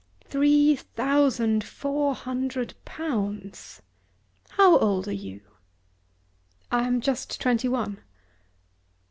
"Three thousand four hundred pounds! How old are you?" "I am just twenty one."